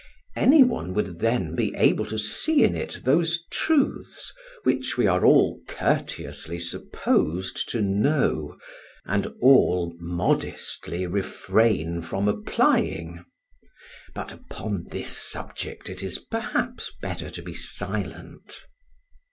Any one would then be able to see in it those truths which we are all courteously supposed to know and all modestly refrain from applying. But upon this subject it is perhaps better to be silent.